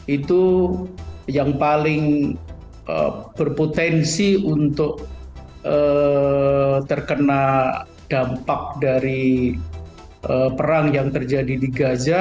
itu yang paling berpotensi untuk terkena dampak dari perang yang terjadi di gaza